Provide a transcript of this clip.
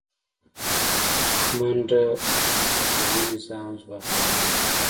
منډه د عصبي نظام ځواکمنوي